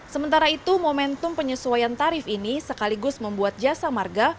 sementara itu momentum penyesuaian tarif ini sekaligus membuat jasa marga